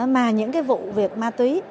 mà những cái vụ việc ma túy